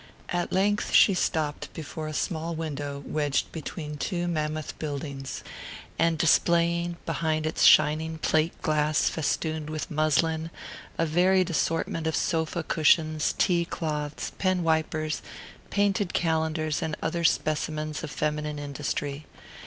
At length she stopped before a small window wedged between two mammoth buildings, and displaying, behind its shining plate glass festooned with muslin, a varied assortment of sofa cushions, tea cloths, pen wipers, painted calendars and other specimens of feminine industry.